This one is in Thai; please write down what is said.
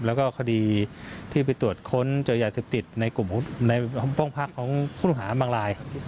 แล้วก็คดีที่ไปตรวจค้นเจอยาเสพติดในกลุ่มในห้องพักของผู้ต้องหาบางราย